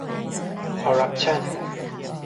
คอร์รัปชั่น